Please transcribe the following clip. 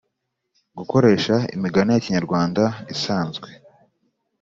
gukoresha imigani ya kinyarwanda isanzwe